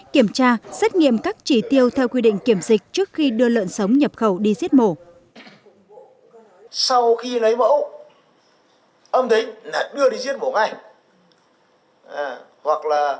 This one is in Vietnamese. kiểm tra xét nghiệm các chỉ tiêu theo quy định kiểm dịch trước khi đưa lợn sống nhập khẩu đi diết mổ